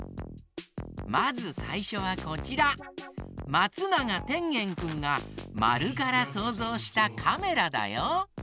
まつながてんげんくんが「まる」からそうぞうしたカメラだよ。